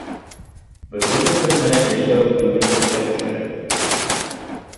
Бөгөнгө көн менән йәшәү бөлгөнлөккә төшөрә.